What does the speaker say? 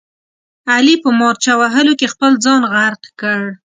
علي په مارچه وهلو کې خپل ځان غرق کړ.